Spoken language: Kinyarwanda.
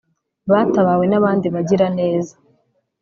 batabawe n’abandi bagiraneza